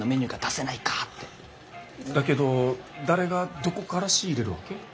だけど誰がどこから仕入れるわけ？